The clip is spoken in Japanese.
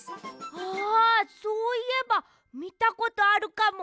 あそういえばみたことあるかも。